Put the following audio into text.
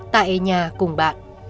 tại nhà cùng bạn